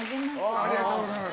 ありがとうございます